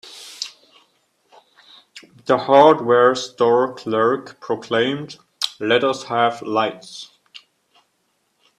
The hardware store clerk proclaimed, "Let us have lights!"